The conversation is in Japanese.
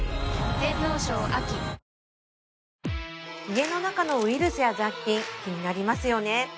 家の中のウイルスや雑菌気になりますよね